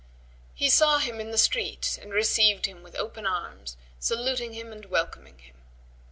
He saw him in the street and received him with open arms, saluting him and welcoming him.